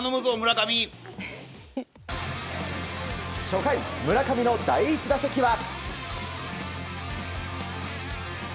初回、村上の第１打席は。